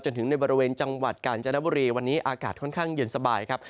ถึงในบริเวณจังหวัดกาญจนบุรีวันนี้อากาศค่อนข้างเย็นสบายครับ